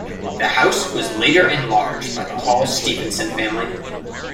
The house was later enlarged by the Hall-Stephenson family.